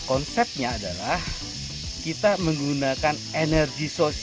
oh ya dia sedikit